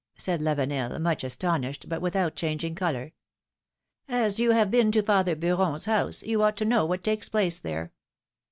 '^ said Lavenel, much astonished, but without changing color. you have been to father Beuron's house, you ought to know what takes place there.